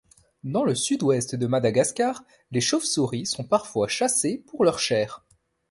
Dans le Sud-Ouest de Madagascar, les chauves-souris sont parfois chassées pour leur chair.